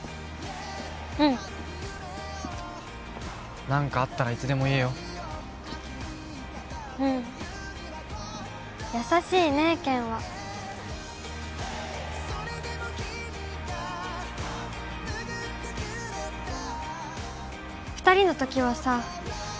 うん何かあったらいつでも言えようん優しいね健は２人のときはさ